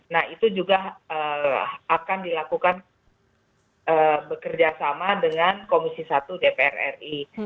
nah itu juga akan dilakukan bekerjasama dengan komisi satu dpr ri